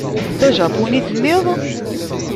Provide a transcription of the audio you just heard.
D ajapuni i telliḍ?